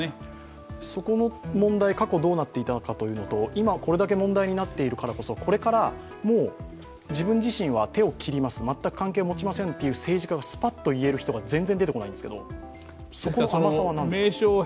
そこの問題、過去どうなっていたのかということと今、これだけ問題になっているからこそ、これから自分自身は手を切ります、全く関係を持ちませんということをスパッと言える人が全然出てこないんですけどそこの甘さは何ですか。